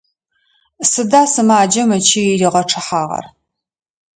Сыда сымаджэм ычый ригъэчъыхьагъэр?